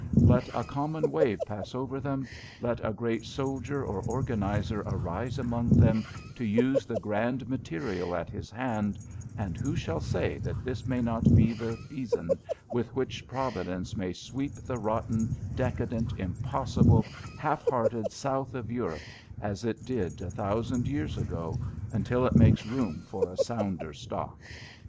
Let a common wave pass over them, let a great soldier or organiser arise among them to use the grand material at his hand, and who shall say that this may not be the besom with which Providence may sweep the rotten, decadent, impossible, half hearted south of Europe, as it did a thousand years ago, until it makes room for a sounder stock?